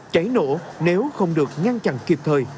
cháy nổ nếu không được ngăn chặn kịp thời